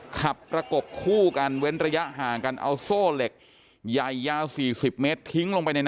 ขับกระกกกคู่กันเว้นระยะห่างกันเอาโซ่เหล็กใหญ่ยาวสี่สิบเมตร